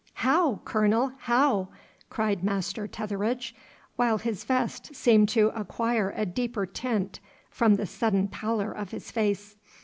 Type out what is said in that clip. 'How, Colonel, how?' cried Master Tetheridge, while his vest seemed to acquire a deeper tint from the sudden pallor of his face.